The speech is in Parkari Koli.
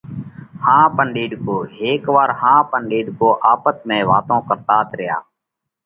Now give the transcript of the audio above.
ۿاپ ان ڏيڏڪو:هيڪ وار ۿاپ ان ڏيڏڪو آپت ۾ واتون ڪرتات ريا۔